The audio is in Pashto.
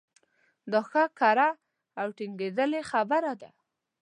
دا ښه کره او ټنګېدلې خبره ده.